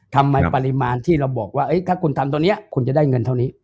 ทำไมปริมาณที่เราบอกว่าถ้าคุณทำตัวนี้คุณจะได้เงินเท่านี้